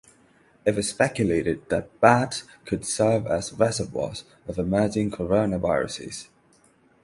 It was speculated that bats could serve as reservoirs of emerging coronaviruses.